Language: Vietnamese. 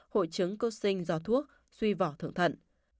hội chứng cơ sinh do thuốc suy vỏ thượng thận